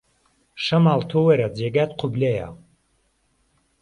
شەماڵ تۆ وەرە جێگات قوبلەیە